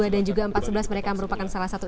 dan juga empat belas mereka merupakan salah satu